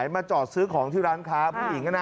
ทำไมคงคืนเขาว่าทำไมคงคืนเขาว่า